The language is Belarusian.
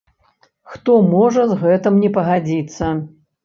Хто можа з гэтым не пагадзіцца?